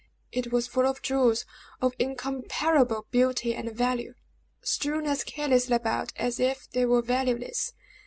It was full of jewels of incomparable beauty and value, strewn as carelessly about as if they were valueless.